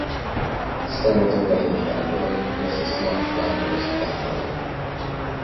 Senator David Gambrell, Mrs. Luck Flanders Gambrell.